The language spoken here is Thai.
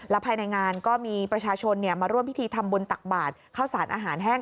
ภายในงานก็มีประชาชนมาร่วมพิธีทำบุญตักบาทข้าวสารอาหารแห้ง